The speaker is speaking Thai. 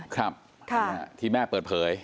ครับที่แม่เปิดเผย